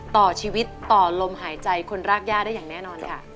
ต่อชีวิตต่อลมหายใจคนรากย่าได้อย่างแน่นอนค่ะ